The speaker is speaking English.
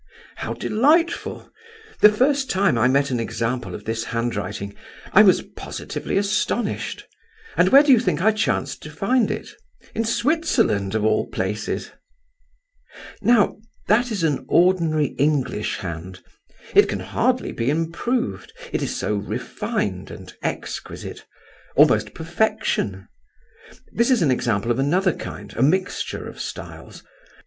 How delightful! The first time I met an example of this handwriting, I was positively astonished, and where do you think I chanced to find it? In Switzerland, of all places! Now that is an ordinary English hand. It can hardly be improved, it is so refined and exquisite—almost perfection. This is an example of another kind, a mixture of styles.